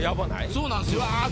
そうなんですよ